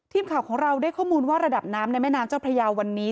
ทีมข่าวของเราได้ข้อมูลว่าระดับน้ำในแม่น้ำเจ้าพระยาวันนี้